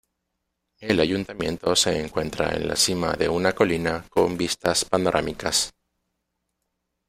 El ayuntamiento se encuentra en la cima de una colina con vistas panorámicas.